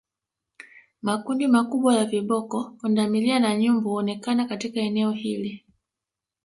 Makundi makubwa ya viboko pundamilia na nyumbu huonekana katika eneo hili